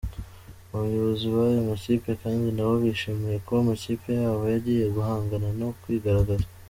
Abayobozi b’aya makipe kandi nabo bishimiye kuba amakipe yabo agiye guhangana no kwigaragaza.